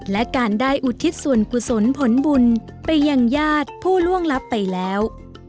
และการได้อุทิศส่วนกุศลผลบุญไปยังญาติผู้ล่วงลับไปแล้ว